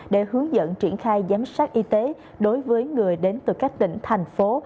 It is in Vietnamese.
để hướng dẫn triển khai giám sát y tế đối với người đến từ các tỉnh thành phố